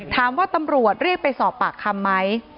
ตำรวจเรียกไปสอบปากคำไหม